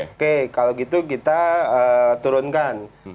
oke kalau gitu kita turunkan